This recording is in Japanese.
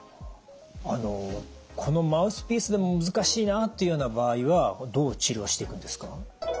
あのこのマウスピースでも難しいなっていうような場合はどう治療していくんですか？